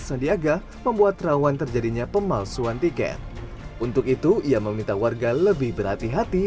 sandiaga membuat rawan terjadinya pemalsuan tiket untuk itu ia meminta warga lebih berhati hati